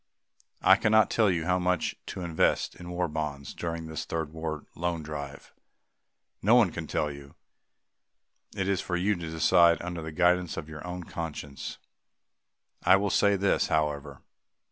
I cannot tell you how much to invest in War Bonds during this Third War Loan Drive. No one can tell you. It is for you to decide under the guidance of your own conscience. I will say this, however.